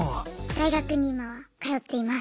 大学に今は通っています。